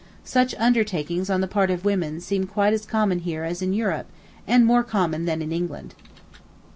Such undertakings on the part of women seem quite as common here as in Europe, and more common than in England.